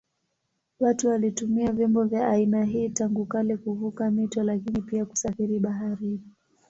Watu walitumia vyombo vya aina hii tangu kale kuvuka mito lakini pia kusafiri baharini.